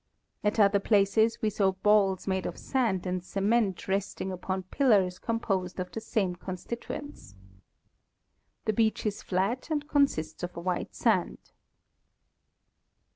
At other places we saw balls made of sand and cement resting upon pillars composed of the same constituents. .. The beach is flat and consists of white sand.